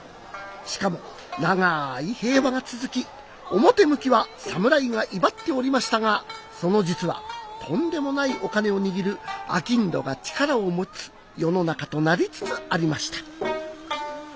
しかも長い平和が続き表向きは侍が威張っておりましたがその実はとんでもないお金を握る商人が力を持つ世の中となりつつありました。